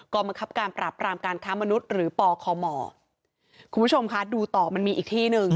บังคับการปราบรามการค้ามนุษย์หรือปคมคุณผู้ชมคะดูต่อมันมีอีกที่หนึ่ง